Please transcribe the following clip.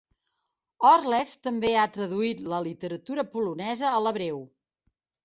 Orlev també ha traduït la literatura polonesa a l"hebreu.